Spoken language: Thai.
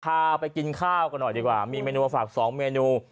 พาไปกินข้าวกันหน่อยดีกว่ามีเมนูมาฝาก๒เมนู